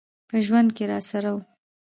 په ژوند کي راسره و .